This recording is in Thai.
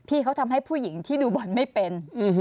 ที่เขาทำให้ผู้หญิงที่ดูบอลไม่เป็น